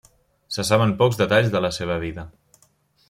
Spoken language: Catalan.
Se saben pocs detalls de la seva vida.